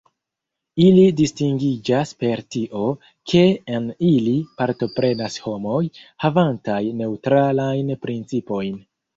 Ili distingiĝas per tio, ke en ili partoprenas homoj, havantaj neŭtralajn principojn.